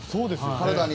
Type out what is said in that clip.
体に。